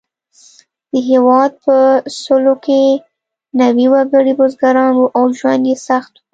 د هېواد په سلو کې نوي وګړي بزګران وو او ژوند یې سخت و.